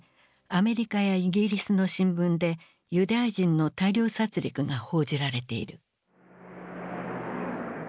アメリカやイギリスの新聞でユダヤ人の大量殺りくが報じられている。